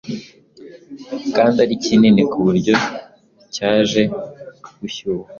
kandi ari kinini ku buryo cyaje gushyuha